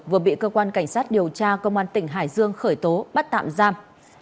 vừa bị cơ quan cảnh sát điều tra công an tỉnh hải dương khởi tố bắt tạm giam